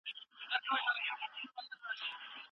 ایا انا به وکولای شي چې خپل قهر مهار کړي؟